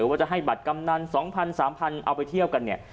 ว่าจะให้บัตรกำนัน๒๐๐๓๐๐เอาไปเที่ยวกันเนี่ย